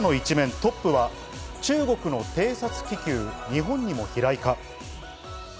トップは中国の偵察気球、日本にも飛来か？